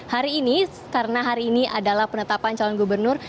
hari ini karena hari ini adalah penetapan calon gubernur